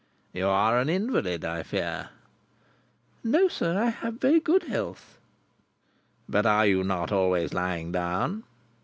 "You are an invalid, I fear?" "No, sir. I have very good health." "But are you not always lying down?"